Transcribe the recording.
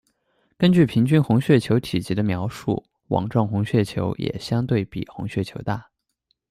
根据平均红血球体积的描述，网状红血球也相对比红血球大。